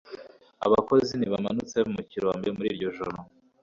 Abakozi ntibamanutse mu kirombe muri iryo joro.